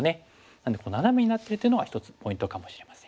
なのでナナメになってるっていうのが一つポイントかもしれません。